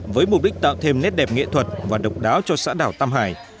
với mục đích tạo thêm nét đẹp nghệ thuật và độc đáo cho xã đảo tam hải